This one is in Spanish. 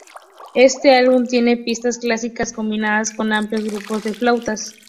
Este álbum tiene pistas clásicas combinadas con amplios grupos de flautas.